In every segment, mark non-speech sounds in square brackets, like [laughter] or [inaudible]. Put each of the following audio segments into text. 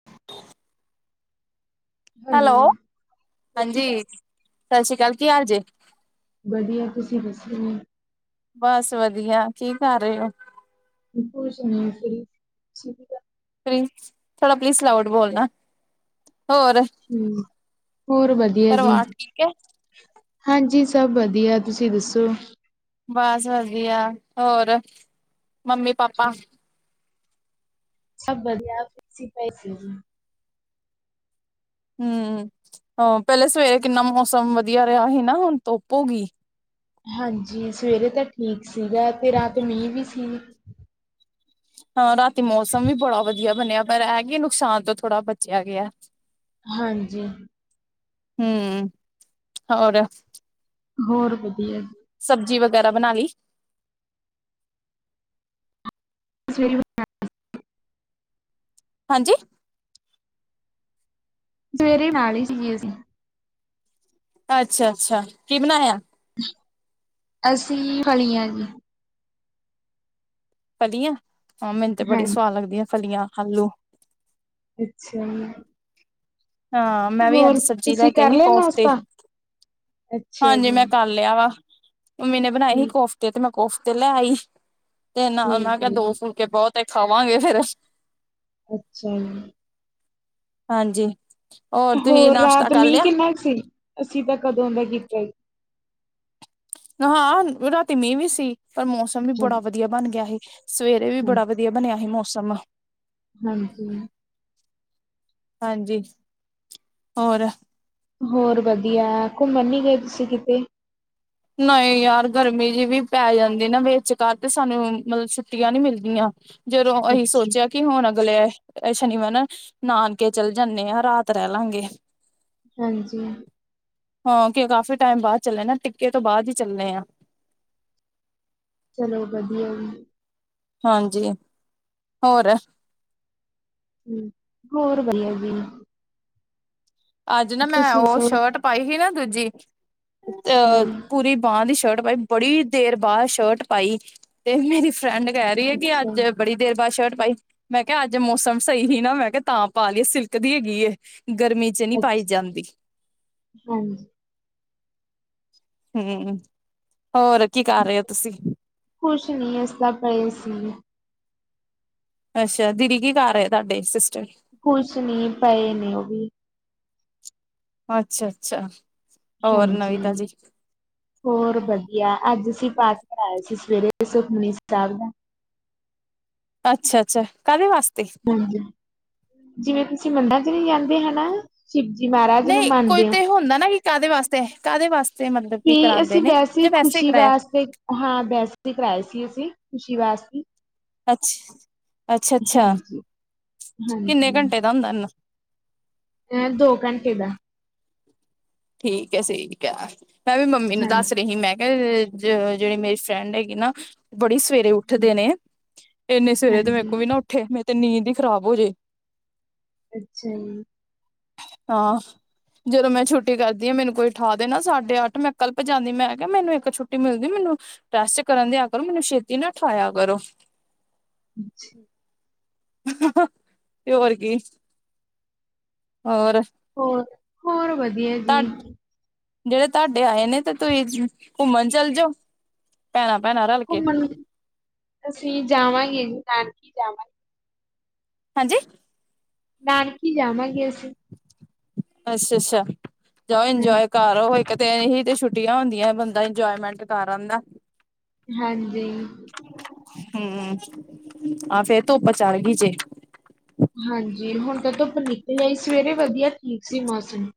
[inaudible] Hello! ਸਤਿ ਸ਼੍ਰੀ ਹਾਂਜੀ, ਅਕਾਲ। ਸਤਿ ਸ੍ਰੀ ਅਕਾਲ। ਕੀ ਹਾਲ ਜੇ? ਵਧੀਆ ਤੁਸੀਂ ਦੱਸੇ ਨੂੰ? ਬਸ ਵਧੀਆ। ਕੀ ਕਰ ਰਹੇ ਹੋ? ਕੁਛ ਨਹੀਂ ਫ੍ਰੀ, ਤੁਸੀਂ ਕੀ ਕਰ ਰਹੇ? ਫ੍ਰੀ, ਥੋੜਾ ਪਲੀਜ਼ ਲਾਊਡ ਬੋਲਣਾ। ਹੋਰ? ਹੋਰ ਵਧੀਆ ਜੀ। ਪਰਿਵਾਰ ਠੀਕ ਹੈ ਹਾਂਜੀ, ਸਭ ਵਧੀਆ ਤੁਸੀਂ ਦੱਸੋ? ਬਸ ਵਧੀਆ ਹੋਰ ਮੰਮੀ ਪਾਪਾ ਸਭ ਵਧੀਆ ਅਸੀਂ ਪਏ ਸੀ ਜੀ। ਹਮ ਹਾ ਪਹਿਲੇ ਸਵੇਰੇ ਕਿੰਨਾ ਮੌਸਮ ਵਧੀਆ ਰਿਹਾ ਹੀ ਨਾ ਹੁਣ ਧੁੱਪ ਹੋਗੀ। ਹਾਂਜੀ, ਸਵੇਰੇ ਤਾਂ ਠੀਕ ਸੀਗਾ ਤੇ ਰਾਤ ਮੀਂਹ ਵੀ ਸੀ। ਹਾਂ ਰਾਤੀ ਮੌਸਮ ਵੀ ਬੜਾ ਵਧੀਆ ਬਣਿਆ ਪਰ ਇਹ ਕੇ ਨੁਕਸਾਨ ਤੋਂ ਥੋੜ੍ਹਾ ਬਚਿਆ ਗਿਆ। ਹਾਂਜੀ। ਹਮ ਹੋਰ। ਹੋਰ ਵਧੀਆ ਜੀ। ਸਬਜ਼ੀ ਵਗੈਰਾ ਬਣਾ ਲਈ? [inaudible] ਹਾਂਜੀ। ਸਵੇਰੇ ਨਾਲ ਹੀ ਸੀਗੇ ਅਸੀਂ। ਅੱਛਾ- ਅੱਛਾ ਕੀ ਬਣਾਇਆ? ਅਸੀ ਫਲੀਆਂ ਜੀ। ਫਲੀਆਂ, ਹਾਂ ਮੈਨੂੰ ਤੇ ਬੜੀ ਸਵਾਦ ਹਾਂਜੀ, ਲੱਗਦੀਆਂ ਫਲੀਆਂ, ਆਲੂ। ਅੱਛਾ। ਹਾਂ, ਮੈਂ ਵੀ ਅੱਜ ਹੋਰ ਸਬਜ਼ੀ ਲੈ ਤੁਸੀਂ ਕੇ ਕਰ ਸੀ ਲਿਆ ਕੋਫਤੇ, ਨਾਸ਼ਤਾ? ਅੱਛਾ ਹਾਂਜੀ ਜੀ। ਮੈਂ ਕ ਲਿਆ ਵਾ, ਮੰਮੀ ਨੇ ਬਣਾਏ ਸੀ ਠੀਕ, ਕੋਫਤੇ ਤੇ ਮੈਂ ਕੋਫਤੇ ਲੈ ਆਈ। ਤੇ ਨਾਲ ਠੀਕ ਮੈਂ ਕਿਹਾ ਹੈ ਦੋ ਜੀ, ਫੁੱਲਕੇ ਬਹੁਤ ਖਾਵਾਂਗੇ ਫੇਰ। ਅੱਛਾ ਜੀ। ਹਾਂਜੀ। ਤੁਸੀਂ ਹੋਰ ਨਾਸ਼ਤਾ ਰਾਤ ਕਰ ਮੀਂਹ ਲਿਆ ਕਿੰਨਾ ਕੁ ਸੀ, ਅਸੀਂ ਤਾਂ ਕਦੋਂ ਦੇ ਕੀਤੇ। ਹਾਂ ਰਾਤੀ ਮੀਂਹ ਵੀ ਸੀ, ਪਰ ਮੌਸਮ ਵੀ ਹਾਂ, ਬੜਾ ਵਧੀਆ ਬਣ ਗਿਆ ਸੀ, ਸਵੇਰੇ ਵੀ ਬੜਾ ਵਧੀਆ ਵਧੀਆ ਬਣਿਆ ਸੀ ਮੌਸਮ। ਹਾਂਜੀ। ਹਾਂਜੀ ਹੋਰ। ਹੋਰ ਵਧੀਆ ਘੁੰਮਣ ਨੀ ਗਏ ਤੁਸੀਂ ਕਿਤੇ? ਨਹੀਂ ਯਾਰ ਗਰਮੀ ਜਿਹੀ ਵੀ ਪੈ ਜਾਂਦੀ ਨਾ ਵਿਚਕਾਰ ਤੇ ਸਾਨੂੰ ਮਤਲਬ ਛੁੱਟੀਆਂ ਨੀ ਮਿਲਦੀਆਂ। ਜਦੋਂ ਅਸੀਂ ਅੱਛਾ। ਸੋਚਿਆ ਕਿ ਹੁਣ ਅਗਲੇ ਸ਼ਨੀਵਾਰ ਨਾਨਕੇ ਚਲ ਜਾਣੇ ਆ ਰਾਤ ਰਹਿ ਲਾਂਗੇ ਹਾਂਜੀ। ਹਾਂ ਕਿ ਕਾਫ਼ੀ ਟਾਈਮ ਬਾਅਦ ਚੱਲੇ ਨਾ ਟਿੱਕੇ ਤੋਂ ਬਾਅਦ ਹੀ ਚੱਲੇ ਆ। ਚਲੋ ਵਧੀਆ। ਹਾਂਜੀ ਹੋਰ। ਹੂ ਹੋਰ ਵਧੀਆ ਜੀ। ਅੱਜ ਨਾ ਮੈਂ ਤੁਸੀਂ ਉਹ ਦੱਸੋ? ਸ਼ਰਟ ਪਾਈ ਸੀ ਨਾ ਦੂਜੀ ਅੱਛਾ ਅ ਜੀ, ਪੂਰੀ ਬਾਂਹ ਦੀ ਸ਼ਰਟ ਪਾਈ ਬੜੀ ਦੇਰ ਬਾਅਦ ਸ਼ਰਟ ਪਾਈ ਤੇ ਮੇਰੀ ਫਰੈਂਡ ਕਹਿ ਰਹੀ ਐ ਕਿ ਅੱਛਾ, ਅੱਜ ਬੜੀ ਦੇਰ ਬਾਅਦ ਸ਼ਰਟ ਪਾਈ। ਮੈਂ ਕਿਹਾ ਅੱਜ ਮੌਸਮ ਸਹੀ ਹੀ ਨਾ, ਮੈਂ ਕਿਹਾ ਤਾਂ ਪਾ ਲਈਏ, ਸਿਲਕ ਦੀ ਹੈਗੀ ਏ ਗਰਮੀ। ਨਹੀ ਪਾਈ ਅੱਛਾ ਜਾਂਦੀ। ਹਾਂਜੀ। ਹੂ ਹੋਰ ਕੀ ਕਰ ਰਹੇ ਹੋ ਤੁਸੀਂ? ਕੁਛ ਨਹੀਂ ਇਸਦਾ ਪਏ ਸੀ। ਅੱਛਾ ਦੀਦੀ ਕੀ ਕਰ ਰਹੇ ਤੁਹਾਡੇ ਸਿਸਟਰ ਕੁਸ਼ ਨਹੀਂ ਪਏ ਨੇ ਉਹ ਵੀ ਅੱਛਾ ਅੱਛਾ। ਹੋਰ ਹਾਂਜੀ। ਨਵੀਂ ਤਾਜੀ ਹੋਰ ਵਧੀਆ ਅੱਜ ਅਸੀਂ ਪਾਠ ਕਰਾਇਆ ਸੀ ਸਵੇਰੇ ਸੁਖਮਨੀ ਸਾਹਿਬ ਦਾ। ਅੱਛਾ ਅੱਛਾ ਕਾਹਦੇ ਵਾਸਤੇ ਹਾਂਜੀ ਜਿਵੇਂ ਤੁਸੀਂ ਮੰਡਾ ਚ ਜਾਂਦੇ ਹਨਾ ਸ਼ਿਵਜੀ ਮਹਾਜ ਨਹੀਂ ਕੋਈ ਤੇ ਇਹ ਹੁੰਦਾ ਨਾ ਕਿ ਕਾਹਦੇ ਵਾਸਤੇ ਕਾਹਦੇ ਵਾਸਤੇ ਮਤਲਬ ਕੀ ਵੀ ਕਰਾਂਦੇ ਅਸੀਂ ਨੇ ਵੈਸੇ ਜਾਂ ਹੀ ਖੁਸ਼ੀ ਕਰਾਇਆ ਵਾਸਤੇ ਹਾਂ ਵੈਸੇ ਕਰਵਾਏ ਸੀ ਅਸੀਂ ਖੁਸ਼ੀ ਵਾਸਤੇ ਅੱਛ ਅੱਛਾ ਅੱਛਾ ਹਾਂਜੀ ਕਿੰਨੇ ਹਾਂਜੀ ਘੰਟੇ ਦਾ ਹੁੰਦਾ ਇਹਨਾ ਐ ਦੋ ਘੰਟੇ ਦਾ। ਠੀਕ ਐ ਠੀਕ ਐ, ਮੈਂ ਵੀ ਮੰਮੀ ਨੂੰ ਦੱਸ ਹਾਂਜੀ ਰਹੀ ਸੀ ਮੈਂ ਜਿਹੜੀ ਮੇਰੀ ਫਰੈਂਡ ਹੈਗੀ ਨਾ ਬੜੀ ਸਵੇਰੇ ਉੱਠਦੇ ਨੇ ਇੰਨੇ ਸਵੇਰੇ ਤੇ ਮੇਰੇ ਹਾਂਜੀ ਕੋਲ ਵੀ ਨਾ ਉੱਠੇ ਮੇਰੇ ਤੇ ਨੀਂਦ ਹੀ ਖਰਾਬ ਹੋ ਜੇ। ਅੱਛਾ। ਹਾਂ ਜਦੋਂ ਮੈਂ ਛੁੱਟੀ ਛੁਟੀ ਕਰਦੀ ਆ ਮੈਨੂੰ ਕੋਈ ਉਠਾ ਦੇ ਨਾ ਸਾਡੇ ਅੱਠ ਮੈਂ ਕੱਲ੍ਹਜਾਦੀ ਮੈਂ ਕਿਹਾ ਮੈਨੂੰ ਇੱਕ ਛੁੱਟੀ ਮਿਲਦੀ ਮੈਨੂੰ ਟਸਟ ਕਰਨ ਦਿਆ ਕਰੋ ਮੈਨੂੰ ਛੇਤੀ ਨਾ ਠਵਾਇਆ ਕਰੋ ਅੱਛਾ ਤੇ ਹੋਰ ਕੀ ਹੋਰ ਹੋਰ ਹੋਰ ਵਧੀਆ ਜੀ ਤ ਜਿਹੜੇ ਤੁਹਾਡੇ ਆਏ ਨੇ ਤੇ ਤੁਸੀਂ ਘੁੰਮਣ ਚੱਲ ਜਾਓ ਪੈਣਾ ਭੈਣਾ ਘੁੰਮਣ ਅਸੀਂ ਜਾਵਾਂਗੇ ਨਾਨਕੀ ਜਾਵਾਂਗੇ ਹਾਂਜੀ ਨਾਨਕੀ ਜਾਵਾਂਗੇ ਅਸੀਂ ਅੱਛਾ ਅੱਛਾ ਜਾਓ ਹਾਂ ਇੰਜੋਏ ਘ ਉਹ ਇੱਕ ਤੇ ਇਹੀ ਤੇ ਛੁੱਟੀਆਂ ਹੁੰਦੀਆਂ ਬੰਦਾ ਇੰਜੋਏਮੈਂਟ ਕਰ ਆਦਾ ਹਾਂਜੀ ਹਮ ਆਹ ਫਿਰਰ ਤ ਬਚਾ ਗੀ ਜੇ ਹਾਂਜੀ ਹੁਣ ਤਾਂ ਧੁਪ ਨਿਕਲਿਆਈ ਸਵੇਰੇ ਵਧੀਆ ਠੀਕ ਸੀ ਮੌਸਮ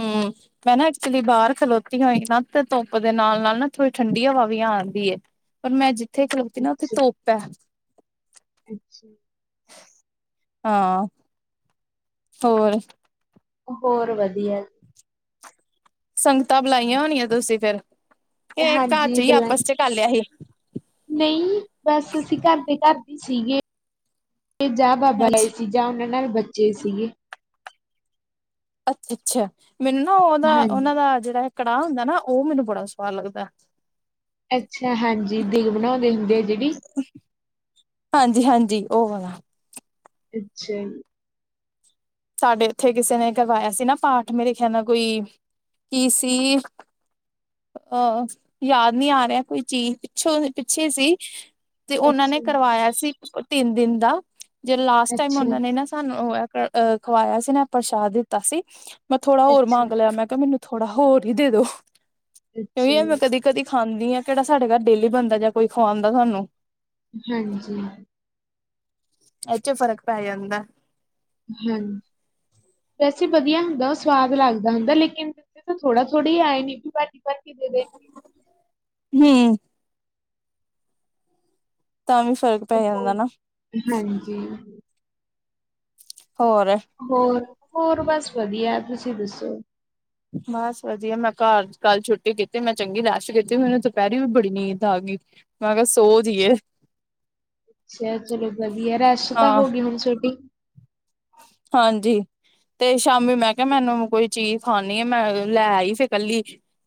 ਹਮ ਮੈਂ ਨਾ ਐਕਚੁਲੀ ਬਾਹਰ ਖਲੋਤੀ ਹੋਈ ਨਾ ਤੇ ਧੁੱਪ ਦੇ ਨਾਲ ਨਾਲ ਨਾ ਥੋੜੀ ਠੰਡੀ ਹਵਾ ਵੀ ਆ ਆਂਦੀ ਹੈ ਪਰ ਮੈਂ ਜਿੱਥੇ ਖਲੋਕਤੀ ਨਾ ਉੱਥੇ ਅੱਛਾ ਧੋਪ ਹੈ ਅੱਛਾ ਹਾਂ ਹੋਰ ਹੋਰ ਵਧੀਆ ਸੰਗਤਾਂ ਬੁਲਾਈਆਂ ਹੋਣੀਆਂ ਤੁਸੀਂ ਫੇਰ ਇਹ ਘਰ ਚ ਹਾਂਜੀ ਹੀ ਬਲ ਆਪਸ ਚ ਕਰ ਲਿਆ ਸੀ ਨਹੀਂ ਬਸ ਅਸੀਂ ਘਰ ਦੇ ਘਰਦੇ ਸੀਗੇ ਤੇ ਜਾਾਹ ਬਾਬਾ ਅੱਛਾ ਲਏ ਸੀਗੇ ਜਾਂ ਉਹਨਾਂ ਨਾਲ ਬੱਚੇ ਸੀ ਅੱਛਾ ਮੈਨੂੰ ਨਾ ਉਹਦਾ ਉਹਨਾਂ ਹਾਂਜੀ ਦਾ ਜਿਹੜਾ ਕੜਾਹ ਹੁੰਦਾ ਨਾ ਉਹ ਮੈਨੂੰ ਬੜਾ ਸਵਾਦ ਲੱਗਦਾ ਅੱਛਾ ਹਾਂਜੀ ਦਿਗ ਬਣਾਉਂਦੇ ਹੁੰਦੇ ਆ ਜਿਹੜੀ ਹਾਂਜੀ ਹਾਂਜੀ ਉਹ ਵਾ ਅੱਛਾ ਸਾਡੇ ਉੱਥੇ ਕਿਸੇ ਨੇ ਕਰਵਾਇਆ ਸੀ ਨਾ ਪਾਠ ਮੇਰੇ ਖਿਆ ਨਾਲ ਕੋਈ ਕੀ ਸੀ ਅਹ ਯਾਦ ਨਹੀਂ ਆ ਰਿਹਾ ਕੋਈ ਚੀਜ਼ ਪਿੱਛੋਂ ਪਿੱਛੇ ਸੀ ਤੇ ਉਹਨਾਂ ਨੇ ਅੱਛਾ ਜੀ, ਕਰਵਾਇਆ ਸੀ ਤਿੰਨ ਦਿਨ ਦਾ ਜੇ ਲਾਸਟ ਟਾਈਮ ਅੱਛਾ ਉਹਨਾਂ ਨੇ ਨਾ ਸਾਨੂੰ ਅ ਖਵਾਇਆ ਸੀ ਨਾ ਪ੍ਰਸ਼ਾਦ ਦਿੱਤਾ ਸੀ ਮੈਂ ਥੋੜ੍ਹਾ ਹੋਰ ਅੱਛਾ ਮੰਗ ਲਿਆ ਮੈਂ ਕਿਹਾ ਮੈਨੂੰ ਥੋੜਾ ਹੋਰ ਦ ਅੱਛਾ ਜੀ, ਮੈਂਦੀ ਕਦੀ ਖਾਂਦੀ ਆ ਕਿਹੜਾ ਸਾਡੇ ਘਰ ਡੇਲੀ ਬਣਦਾ ਜਾਂ ਕੋਈ ਖਵਾਉਂਦਾ ਸਾਨੂੰ ਹਾਂਜੀ ਐੱਚੇ ਫ਼ਰਕ ਪੈਾਈ ਅਦਾ ਹਾਂਜੀ ਵੈਸੇ ਵਧੀਆ ਹੁੰਦਾ ਉਹ ਸਵਾਦ ਲੱਗਦਾ ਹੁੰਦਾ ਲੇਕਿਨ ਤਾਂ ਥੋੜਾ ਥੋੜ੍ਹੇ ਆਏ ਨੇ ਵੀ ਭਰਟੀ ਭਰ ਕੇ ਦੇ ਦੇ ਹਮ ਤਾਂ ਵੀ ਫ਼ਰਕ ਪੈ ਜਾਂਦਾ ਨਾ ਹਾਂਜੀ ਹੋਰ ਹੋਰ ਹੋਰ ਬਸ ਵਧੀਆ ਤੁਸੀਂ ਦੱਸੋ ਬਸ ਵਧੀਆ ਮੈਂ ਘਰ ਕੱਲ ਛੁੱਟੀ ਕੀਤੀ ਮੈਂ ਚੰਗੀ ਲੈਸ਼ਟ ਕੀਤੀ ਮੈਨੂੰ ਦੁਪਹਿਰੀ ਵੀ ਬੜੀ ਨੀਂਦ ਆ ਗਈ ਮਗ ਸੋ ਜਈਏ ਅੱਛਾ ਚਲੋ ਵਧੀਆ ਰਸ ਤਾਂ ਹਾਂ ਹੋ ਗਈ ਹੁਣ ਛੋਟੀ ਹਾਂਜੀ ਤੇ ਸ਼ਾਮੀ ਮੈਂ ਕਿਹਾ ਮੈਨੂੰ ਕੋਈ ਚੀਜ਼ ਖਾਣੀ ਆ ਮੈਂ ਲੈ ਆਈ ਫਿਰ ਕੱਲੀ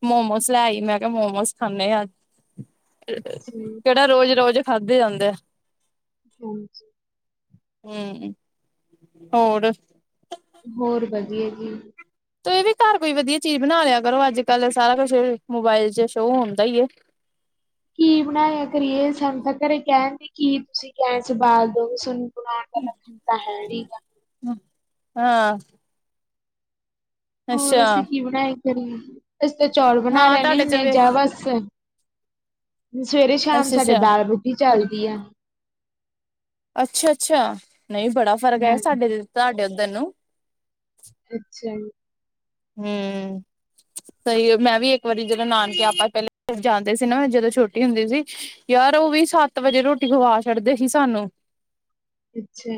ਮੋਮੋਸ ਲੈ ਆਈ ਮੈਂ ਕਿਹਾ ਮੋਮੋਸ ਖਾਂਦੇ ਹ ਅੱਜ ਅੱਛਾ, ਕਿਹੜਾ ਰੋਜ਼ ਰੋਜ਼ ਖਾਧੇ ਜਾਂਦੇ ਆ ਹਾਂ ਹਮ ਹੋਰ ਹੋਰ ਵਧੀਆ ਜੀ ਤੂੰ ਇਹ ਵੀ ਘਰ ਕੋਈ ਵਧੀਆ ਚੀਜ਼ ਬਣਾ ਲਿਆ ਕਰੋ ਅੱਜ ਕੱਲ ਸਾਰਾ ਕੁਛ ਮੋਬਾਇਲ ਚ ਸ਼ੋਅ ਹੁੰਦਾ ਹੀ ਏ ਕੀ ਬਣਾਇਆ ਕਰੀਏ ਸਾਨੂੰ ਤਾਂ ਘਰੇ ਕਹਿਣ ਦੀ ਕੀ ਤੁਸੀਂ ਕਹਿਣ ਗੈਸ ਬਾਲ ਦੋ ਤੁਾਨੂੰ ਗਣਾਾਰਗਲੱਖ ਖਤਾ ਹੈੀਗਾ [unintelligible] ਹਮ ਹਾਂ ਹੋਰ ਅੱਛਾ ਅਸੀਂ ਕੀ ਬਣਾਏ ਕਰੇ ਅਸੀਂ ਤਾਂ ਚੌਲ ਬਣਾ ਹਾਂ ਲੈਣੇ ਤੁਹਾਡੇ ਚ ਹੁੰਦੇ ਹਾਂ ਵੇ ਜਾਂ ਬਸ ਸਵੇਰੇ ਸ਼ਾਮ ਅੱਛਾ ਸਾਡੇ ਅੱਛਾ ਦਾਲ ਰੋਟੀ ਚਲਦੀ ਆ ਅੱਛਾ ਅੱਛਾ ਨਹੀਂ ਬੜਾ ਫ਼ਰਕ ਹੈ ਹਾਂਜੀ ਸਾਡੇ ਤੁਹਾਡੇ ਉੱਧਰ ਨੂੰ ਅੱਛਾ ਹਮ ਸਹੀ ਮੈਂ ਵੀ ਇੱਕ ਵਾਰੀ ਜਦੋਂ ਨਾਨਕੇ ਆਪਾਂ ਪਹਿਲਾਂ ਜਾਂਦੇ ਸੀ ਨਾ ਜਦੋਂ ਛੋਟੀ ਹੁੰਦੀ ਸੀ ਯਾਰ ਉਹ ਵੀ ਸੱਤ ਵਜੇ ਰੋਟੀ ਖਵਾ ਛੱਡਦੇ ਸੀ ਸਾਨੂੰ ਅੱਛਾ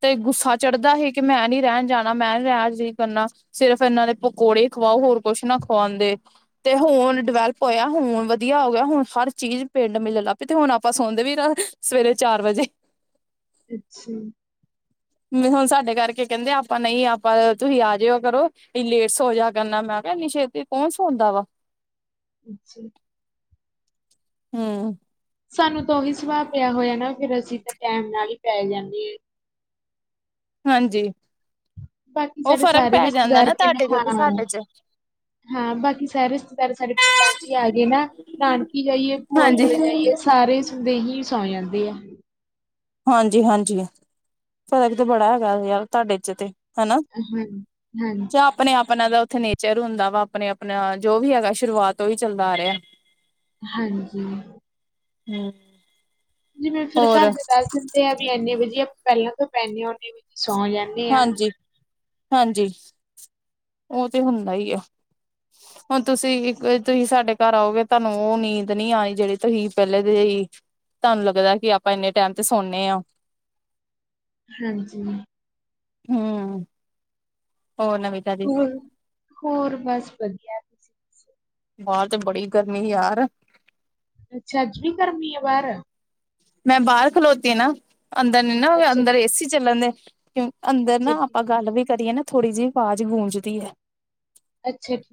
ਤੇ ਗੁੱਸਾ ਚੜਦਾ ਸੀ ਕਿ ਮੈਂ ਨੀ ਰਹਿਣ ਜਾਣਾ ਮੈਂ ਨ ਰਹਿਣ ਨਹੀਂ ਕਰਨਾ ਸਿਰਫ ਫਿਰ ਇਹਨਾਂ ਦੇ ਪਕੌੜੇ ਖਵਾਓ ਹੋਰ ਕੁਛ ਨਾ ਖਵਾਉਂਦੇ ਤੇ ਹੁਣ ਅੱਛਾ ਡਿਵੈਲਪ ਹੋਇਆ ਹੁਣ ਵਧੀਆ ਹੋ ਗਿਆ ਹੁਣ ਹਰ ਚੀਜ਼ ਪਿੰਡ ਮਿਲਣ ਲੱਗ ਪਈ ਤੇ ਹੁਣ ਆਪਾਂ ਸੌਣਦੇ ਵੀ ਰ ਸਵੇਰੇ ਚਾਰ ਵਜੇ [inaudible] ਅੱਛਾ [unintelligible] ਹੁਣ ਸਾਡੇ ਕਰਕੇ ਕਹਿੰਦੇ ਆਪਾਂ ਨਹੀਂ ਆਪਾਂ ਤੁਸੀਂ ਆ ਜਾਇਆ ਕਰੋ ਇਹ ਲੇਟ ਸੋ ਜਾ ਕਰਨਾ ਮੈਂ ਕਿਹਾ ਇੰਨੀ ਛੇਤੂ ਕੌਣ ਸੌਂਦਾ ਵਾ ਅੱਛਾ ਹਮ ਸਾਨੂੰ ਤਾਂ ਉਹੀ ਸੁਭਾਅ ਪਿਆ ਹੋਇਆ ਨਾ ਫਿਰ ਅਸੀਂ ਤਾਂ ਟੈਮ ਨਾਲ ਹੀ ਪੈ ਜਾਂਦੇ ਹ ਹਾਂਜੀ ਬਾਕੀ ਉਹ ਸਾਡੇ ਫ਼ਰਕ ਸਾਰੇ ਪੈ ਜਾਂਦਾ ਰਿਸ਼ਤੇਦਾਰ ਨਾ ਪਿੰਡ ਤੁਹਾਡੇ ਚ ਤੇ ਖਾਣਾ ਹਾਂ ਸਾਡੇ ਚ ਹਾਂ ਬਾਕੀ ਸਾਰੇ ਰਿਸ਼ਤੇਦਾਰ ਸਾਡੇ ਪਿੰਡਾਂ ਚ ਹੀ ਆ ਗਏ ਨਾ ਨਾਨਕੀ ਜਾਈਏ ਭੂਆ ਹਾਂਜੀ ਕੋਲੇ ਜਾਈਏ ਸਾਰੇ ਸੁਣਦੇ ਹੀ ਸੌਂ ਜਾਂਦੇ ਆ ਹਾਂਜੀ ਹਾਂਜੀ ਪਤਾ ਕਿਤੇ ਬੜਾ ਹੈਗਾ ਯਾਰ ਤੁਹਾਡੇ ਚ ਤੇ ਹਨਾ ਹਮ ਹਮ ਜਾਂ ਆਪਣੇ ਆਪਣਾ ਦਾ ਉੱਥੇ ਨੇਚਰ ਹੁੰਦਾ ਵਾ ਆਪਣੇ ਆਪਣਾ ਜੋ ਵੀ ਹੈਗਾ ਸ਼ੁਰੂਆਤ ਉਹਹੀ ਚੱਲਦਾ ਆ ਰਿਹਾ। [inaudible] ਹਾਂਜੀ ਹਮ ਜਿਵੇਂ ਫਿਰ ਘਰ ਦੇ ਦੱਸ ਦਿੰਦੇ ਆ ਵੀ ਇੰਨੇ ਵਜੇ ਆਪਾਂ ਪਹਿਲਾਂ ਤੋਂ ਪੈਂਨੇ ਨੇ ਵਜੇ ਸੌਂ ਜਾਂਦੇ ਆ। ਹਾਂਜੀ ਹਾਂਜੀ ਉਹ ਤੇ ਹੁੰਦਾ ਹੀ ਆ ਹੁਣ ਤੁਸੀਂ ਇੱਕ ਤੁਸੀਂ ਸਾਡੇ ਘਰ ਆਓਗੇ ਤੁਹਾਨੂੰ ਉਹ ਨੀਂਦ ਨਹੀਂੀ ਆਈ ਜਿਹੜੀ ਤੁਸੀਂ ਪਹਿਲੇ ਦੀ ਤੁਹਾਨੂੰ ਲੱਗਦਾ ਕਿ ਆਪਾਂ ਇੰਨੇ ਟਾਈਮ ਤੇ ਸੌੇ ਹਾਂ ਹਾਂਜੀ ਹਮ ਹੋ ਨਵਵੇ ਹੋਰ ਹੋਰ ਬਸ ਵਧੀਆ ਤੁਸੀਂ ਦੱਸੋ? ਬਾਹਰ ਚ ਬੜੀ ਗਰਮੀ ਯਾਰ ਅੱਛਾ ਅੱਜ ਵੀ ਗਮੀ ਆ ਬਾਹਰ ਮੈਂ ਬਾਹਰ ਖਲੋਤੀ ਆ ਨਾ ਅੰਦਰ ਨੀ ਨਾ ਅੱਛਾ ਅੰਦਰ ਏਸੀ ਚੱਲਣ ਦੇ ਕਿਉਂ ਅੰਦਰ ਅੱਛਾ ਨਾ ਠੀਕ, ਆਪਾਂ ਗੱਲ ਵੀ ਕਰੀਏ ਨਾ ਥੋੜ੍ਹੀ ਜਿਹੀ ਆਵਾਜ਼ ਗੂੰਜਦੀ ਹੈ ਅੱਛਾ ਠੀਕ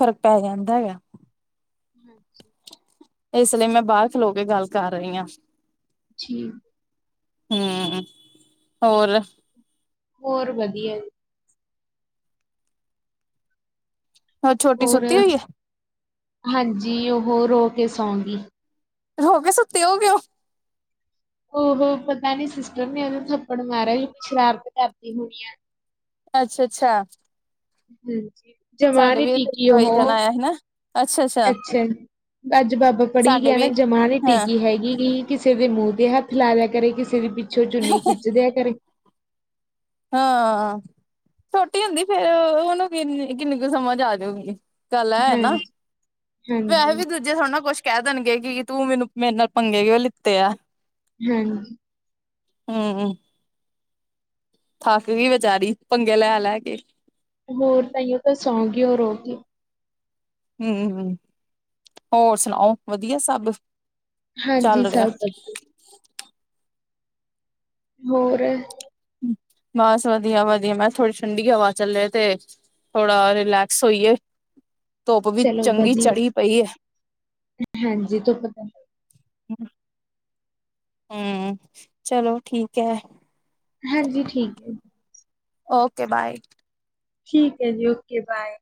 ਫ਼ਰਕ ਪੈ ਜਾਂਦਾ ਹੈਾ ਅੱਛਾ ਇਸ ਲਈ ਮੈਂ ਬਾਹਰ ਖਲੋ ਕੇ ਗੱਲ ਕਰ ਰਹੀ ਹਾਂ ਜੀ ਹਮ ਹੋਰ ਹੋਰ ਵਧੀਆ ਜੀ ਛੋਟੀ ਹੋਰ ਸੁੱਤੀ ਹੋਈ ਹਾਂਜੀ ਉਹ ਰੋ ਕੇ ਸੌਂਦੀ ਰੋ ਕੇ ਸੁੱਤੇ ਹੋ ਗਏ ਉਹ ਉਹ ਪਤਾ ਨੀ ਸਿਸਟਰ ਨੇ ਉਹਨੂੰ ਥੱਪੜ ਮਾਰਿਆ ਸ਼ਰਾਰਤ ਕਰਦੀ ਹੋਣੀ ਆ। ਅੱਛਾ ਅੱਛਾ ਹਾਂਜੀ ਸਾਡੇ ਜਮਾਰੀ ਵੀ ਇੱਥੇ ਕੀ ਕੋਈ ਉਹ ਜਣਾ ਆਇਆ ਸੀ ਨਾ ਅੱਛਾ ਅੱਛਾ ਅੱਜ ਬਾਬਾ ਪੜ੍ਹੀ ਸਾਡੇ ਗਿਆ ਨਾ ਵੀ ਜਮਾ ਦੀ ਹਾਂ ਟੀਕੀ ਹੈਗੀ ਗ ਕਿਸੇ ਦੇ ਮੂੰਹ ਤੇ ਹੱਥ ਲਾ ਦਿਆ ਕਰੇ ਕਿਸੇ ਦੇ ਪਿੱਛੋਂ ਚੁੰਨੀ ਖਿੱਚ ਦਿਆ ਕਰੇ ਹਾਂ ਛੋਟੀ ਹੁੰਦੀ ਫੇਰ ਉਹਨੂੰ ਕਿੰਨੀ ਕਿੰਨੀ ਕੁ ਸਮਾਂ ਜਾ ਜਾਊਗੀ ਗੱਲ ਨਾ ਹਾਂਜੀ, ਵੈਸੇ ਹਾਂਜੀ। ਵੀ ਦੂਜ ਜੇ ਥੋੜੇ ਨਾ ਕੁਛ ਕਹਿ ਦੇਣਗੇ ਕਿ ਤੂੰ ਮੈਨੂੰ ਮੇਰੇ ਨਾਲ ਪੰੰਗੇ ਕਿ ਉਹਂ ਲਿੱਤੇ ਆ ਹਮ ਹਮ ਹਾਂਮ ਥੱਕ ਗਈ ਬੇਚਾਰੀ ਪੰਗੇ ਲੈ ਲੈ ਕੇ ਹੋਰ ਤਾਂ ਉਹ ਤਾਂ ਸੌਂਗੀ ਹੋਰੋਟੀ ਹਮ ਹ ਹੋਰ ਸੁਣਾਓ ਵਧੀਆ ਸਭ ਹਾਂਜੀ ਚੱਲ ਰਿਹਾ ਸਪਤ ਹੋਰ ਬਸ ਵਧੀਆ ਵਧੀਆ ਮੈਂ ਕਿਹਾ ਥੋੜ੍ਹੀ ਠੰਡੀ ਹਵਾ ਚੱਲੇ ਤੇ ਥੋੜਾ ਰਿਲੈਕਸ ਹੋਈਏ ਧੁੱਪ ਵੀ ਚਲੋ ਚੰਗੀ ਵਧੀਆ, ਚੜੀ ਪਈ ਹੈ ਹਾਂਜੀ ਧੁੱਪ ਤਾਂ ਹਮ ਚਲੋ ਠੀਕ ਹੈ ਹਾਂਜੀ ਠੀਕ ਹੈ ਜੀ ਓਕੇ ਬਾਏ ਠੀਕ ਹੈ ਜੀ ਓਕੇ ਬਾਏ